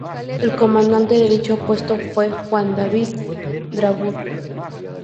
El comandante de dicho puesto fue Juan Davis Bradburn.